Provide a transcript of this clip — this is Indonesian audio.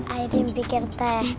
ayo dimikir teh